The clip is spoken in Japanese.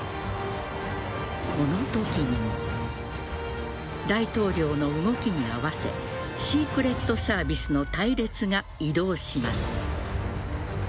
このときにも大統領の動きに合わせシークレットサービスの隊列が移動します。